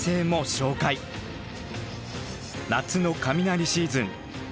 夏の雷シーズン。